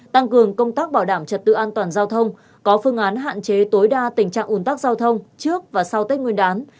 tăng cường công tác bảo đảm trật tự an toàn giao thông có phương án hạn chế tối đa tình trạng ủn tắc giao thông trước và sau tết nguyên đán